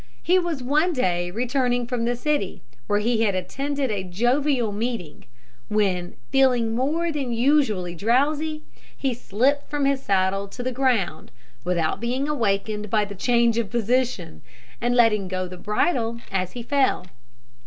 He was one day returning from the city, where he had attended a jovial meeting, when, feeling more than usually drowsy, he slipped from his saddle to the ground, without being awakened by the change of position, and letting go the bridle as he fell.